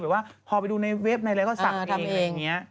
ว่าพอไปดูในเว็บในอะไรก็สั่งทำอะไรอย่างนี้